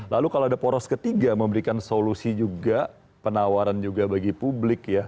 lalu kalau ada poros ketiga memberikan solusi juga penawaran juga bagi publik ya